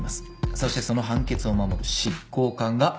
そしてその判決を守る執行官がいるんです。